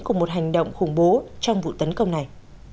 của một hành động khủng bố trong vụ tấn công này